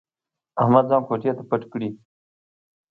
احمد ځان کوټې ته پټ کړي.